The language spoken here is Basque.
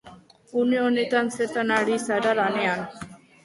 Une honetan, zertan ari zara lanean?